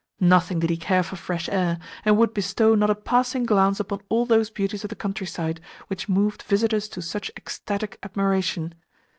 Nothing did he care for fresh air, and would bestow not a passing glance upon all those beauties of the countryside which moved visitors to such ecstatic admiration.